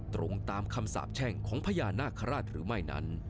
ตรงตามคำสาบแช่งของพญานาคาราชหรือไม่นั้น